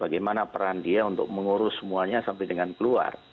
bagaimana peran dia untuk mengurus semuanya sampai dengan keluar